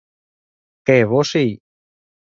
kẻ vô sỉ